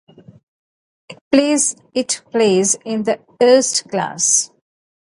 It plays in the Eerste Klasse.